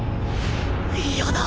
嫌だ！